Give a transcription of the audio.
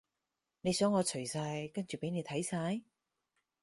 你想我除晒跟住畀你睇晒？